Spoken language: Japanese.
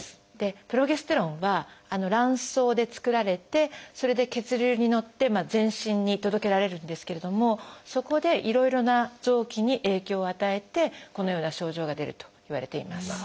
プロゲステロンは卵巣で作られてそれで血流に乗って全身に届けられるんですけれどもそこでいろいろな臓器に影響を与えてこのような症状が出るといわれています。